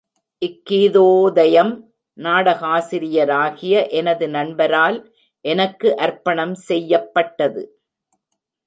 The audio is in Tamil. இக் கீதோதயம் நாடகசிரியராகிய எனது நண்பரால் எனக்கு அர்ப்பணம் செய்யப்பட்டது.